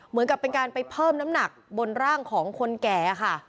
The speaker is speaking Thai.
เหมือนกับเป็นการไปเพิ่มน้ำหนักบนร่างของคนแก่ค่ะ